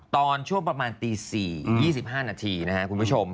ตอนช่วงประมาณตี๔๒๕นาทีนะครับคุณผู้ชม